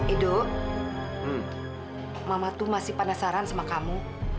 edo mama itu masih penasaran sama kamu